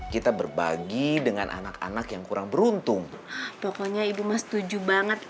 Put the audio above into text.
kita berbagi dengan anak anak yang kurang beruntung pokoknya ibu mas setuju banget